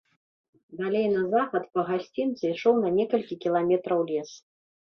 Далей на захад па гасцінцы ішоў на некалькі кіламетраў лес.